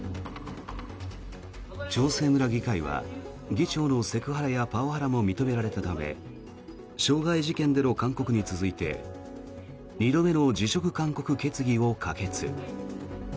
長生村議会は議長のセクハラやパワハラも認められたため傷害事件での勧告に続いて２度目の辞職勧告決議を可決。